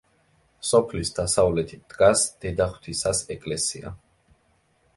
სოფლის დასავლეთით დგას დედაღვთისას ეკლესია.